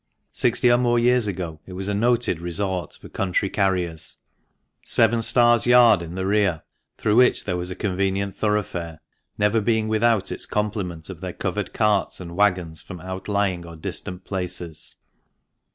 Sixty or more years ago it was a noted resort for country carriers, " Seven Stars Yard," in the rear (through which there was a convenient thoroughfare) never being without its complement of their covered carts and waggons from outlying or distant places.